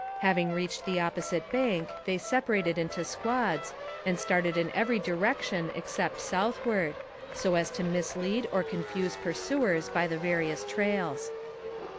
Having reached the opposite bank they separated into squads, and started in every direc tion, except southward, so as to mislead or confuse pursuers by the various trails.